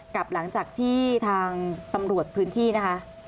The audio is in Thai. กับหลังจากที่ทางตำรวจพื้นที่นะคะ